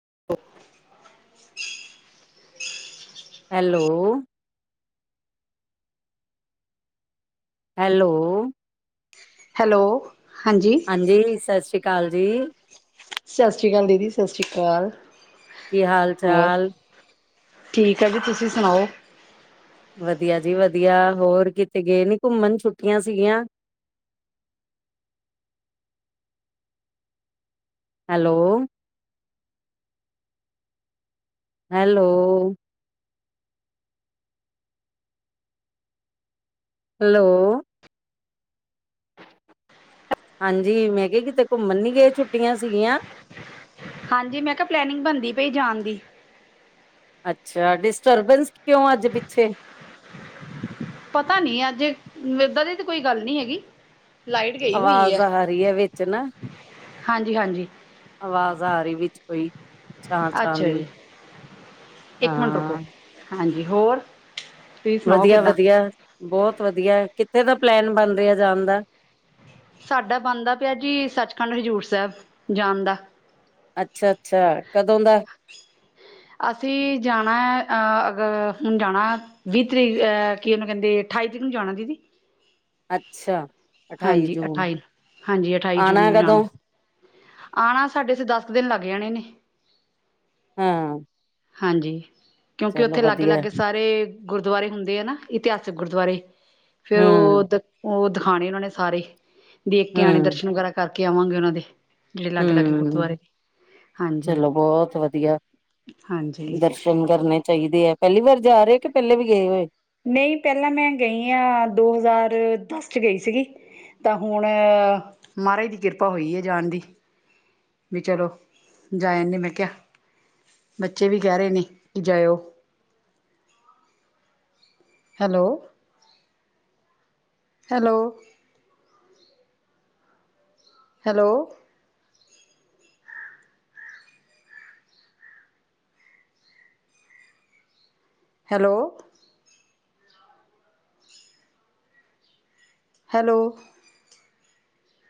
[unintelligible] [unintelligible] Hello. Hello. Hello, ਹਾਂਜੀ। ਹਾਂਜੀ, ਸਤਿ ਸ੍ਰੀ ਕਾਲ ਜੀ। ਸਤਿ ਸ੍ਰੀ ਕਾਲ ਦੀਦੀ, ਸਤਿ ਸ੍ਰੀ ਕਾਲ। ਕੀ ਹਾਲ ਚਾਲ। ਠੀਕ ਹੈ ਜੀ, ਤੁਸੀਂ ਸੁਣਾਓ। ਵਧੀਆ ਜੀ ਵਧੀਆ, ਹੋਰ ਕਿਤੇ ਗਏ ਨੀ ਘੁੰਮਨ ਛੁੱਟੀਆਂ ਸੀਗੀਆਂ। ਹੈਲੋ। ਹੈਲੋ। ਹੈਲੋ। ਹਾਂਜੀ, ਮੈਂ ਕਿਆ ਕਿਤੇ ਘੁੰਮਣ ਨੀ ਗਏ ਛੁੱਟੀਆਂ ਸੀਗੀਆਂ। ਹਾਂਜੀ, ਮੈਂ ਕਿਆ ਪਲੈਨਿੰਗ ਬਣਦੀ ਪਈ ਜਾਣ ਦੀ। ਅੱਛਾ, ਡਿਸਟਰਬੈਂਸ ਕਿਉਂ ਅੱਜ ਪਿੱਛੇ? ਪਤਾ ਨੀ, ਅੱਜ ਵੇਦਾਂ ਦੀ ਤਾਂ ਕੋਈ ਗੱਲ ਨੀ ਹੈਗੀ। ਲਾਈਟ ਗਈ ਹੋਈ ਆਵਾਜ਼ ਹੈ, ਆ ਰਹੀ ਹੈ ਵਿੱਚ ਨਾ ਹਾਂਜੀ-ਹਾਂਜੀ। ਆਵਾਜ਼ ਆ ਰੀ ਵਿੱਚ ਕੋਈ। ਛਾਂ ਛਾਂ ਅੱਛਾ ਦੀ ਜੀ, ਇੱਕ ਮਿੰਟ ਰੁਕੋ। ਹਾਂ ਹਾਂਜੀ, ਹੋਰ। ਸੁਣਾਓ ਕਿੱਦਾਂ ਵਧੀਆ-ਵਧੀਆ, ਬੌਤ ਵਧੀਆ। ਕਿੱਥੇ ਦਾ ਪਲੈਨ ਬਣ ਰਿਐ ਜਾਣ ਦਾ? ਸਾਡਾ ਬਣਦਾ ਪਿਐ ਜੀ, ਸੱਚਖੰਡ ਹਜ਼ੂਰ ਸੈਬ ਜਾਣ ਦਾ। ਅੱਛਾ-ਅੱਛਾ, ਕਦੋਂ ਦਾ? ਅਸੀਂ ਜਾਣਾ ਐ, ਅ-ਅਗ ਹੂਨ ਜਾਣੈ। ਵੀਹ ਤਰੀਕ ਅਹ ਕੀ ਓਹਨੂੰ ਕੈੰਦੇ, ਅਠਾਈ ਤਰੀਕ ਨੂੰ ਜਾਣੈ ਦੀਦੀ। ਅੱਛਾ, ਅਠਾਈ ਜੂਨ। ਹਾਂਜੀ ਅਠਾਈ ਜੂਨ ਆਣੈ ਨੂੰ ਜਾਣਾ ਕਦੋਂ? ਆਣਾ ਸਾਡੇ ਏਥੇ ਦੱਸ ਕੁ ਦਿਨ ਲੱਗ ਜਾਣੇ ਨੇ। ਹਂ। ਹਾਂਜੀ, ਕਿਉਂਕਿ ਉੱਥੇ ਵਧੀਆ ਲਾਗੇ-ਲਾਗੇ ਸਾਰ ਗੁਰਦੁਆਰੇ ਹੁੰਦੇ ਐ ਨਾ, ਇਤਿਹਾਸਿਕ ਗੁਰਦੁਆਰੇ ਫੇਰ ਹੂੰ ਓਹ ਦ ਓਹ ਦਿਖਾਣੇ ਓਹਨਾਂ ਨੇ ਸਾਰੇ। ਦੇਖ ਕੇ ਆਣੇ ਹੂੰ ਦਰਸ਼ਨ ਵਗੈਰਾ ਕਰਕੇ ਆਵਾਂਗੇ ਓਹਨਾਂ ਦੇ। ਜੇੜੇ ਲਾਗੇ- ਲਾਗੇ ਹੂੰ ਗੁਰਦੁਆਰੇ ਹਾਂਜੀ ਚਲੋ ਬੌਤ ਵਧੀਆ, ਹਾਂਜੀ ਦਰਸ਼ਨ ਕਰਨੇ ਚਾਈਦੇ ਐ, ਪੈਲੀ ਵਾਰ ਜਾ ਰੇ ਕੇ ਪੈਲੇ ਵੀ ਗਏ ਹੋਏ? ਨਹੀਂ ਪੈਲਾਂ ਮੈਂ ਗਈ ਆਂ ਦੋ ਹਜ਼ਾਰ ਦੱਸ ਚ ਗਈ ਸੀਗੀ। ਤਾਂ ਹੁਣ, ਮਹਾਰਾਜ ਦੀ ਕਿਰਪਾ ਹੋਈ ਏ ਜਾਣ ਦੀ। ਬੀ ਚਲੋ ਜਾਇਆ ਨੇ ਮੈਂ ਕਿਆ। ਬੱਚੇ ਵੀ ਕੈ ਰੇ ਨੇ ਕਿ ਜਾਇਓ। Hello, hello. Hello. Hello. Hello.